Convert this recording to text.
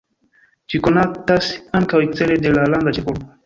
Ĝi konatas ankaŭ ekstere de la landa ĉefurbo.